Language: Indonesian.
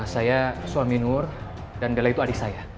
saya suami nur dan bela itu adik saya